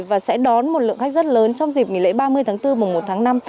và sẽ đón một lượng khách rất lớn trong dịp lễ ba mươi tháng bốn mùng một tháng năm